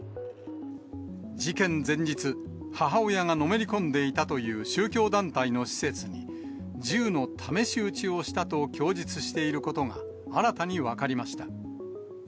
事件前日、母親がのめり込んでいたという宗教団体の施設に、銃の試し撃ちをしたと供述していることが、新たに分かりました。